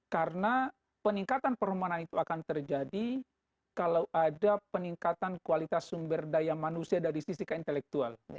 karena peningkatan permohonan itu akan terjadi kalau ada peningkatan kualitas sumber daya manusia dari sisi ke intelektual